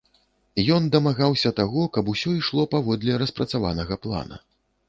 Ён дамагаўся таго, каб усё ішло паводле распрацаванага плана.